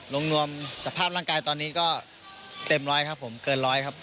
รวมนวมสภาพร่างกายตอนนี้ก็เต็มร้อยครับผมเกินร้อยครับ